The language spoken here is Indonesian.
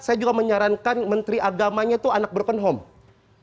saya juga menyarankan menteri agamanya itu anak broken home